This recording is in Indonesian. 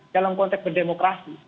dalam konteks berdemokrasi